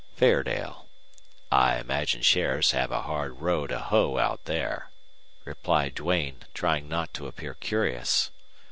"Fairdale.... I imagine sheriffs have a hard row to hoe out here," replied Duane, trying not to appear curious.